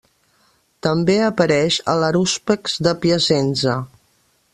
També apareix a l'Harúspex de Piacenza.